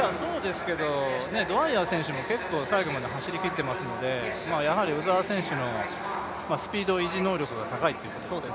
ドウァイヤー選手も最後まで走りきっていますのでやはり鵜澤選手のスピード維持能力が高いということですよね。